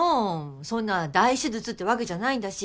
そんな大手術ってわけじゃないんだし。